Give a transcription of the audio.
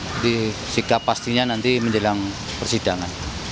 jadi sikap pastinya nanti menjelang persidangan